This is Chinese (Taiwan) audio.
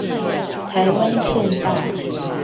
臺灣縣道